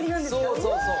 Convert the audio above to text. そうそうそう。